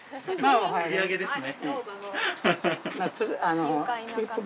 売り上げですね。